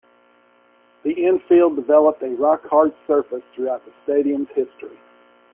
The infield developed a "rock-hard" surface throughout the stadium's history.